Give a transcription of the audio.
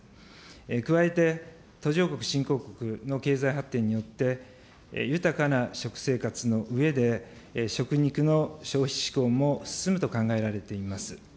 加えて、途上国、新興国の経済発展によって、豊かな食生活のうえで、食肉の消費志向も進むと考えられています。